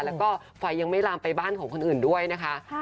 แล้วก็ไฟยังไม่ลามไปบ้านของคนอื่นด้วยนะคะ